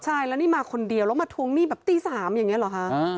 ใช่แล้วนี่มาคนเดียวแล้วมาทวงหนี้แบบตี๓อย่างนี้เหรอคะ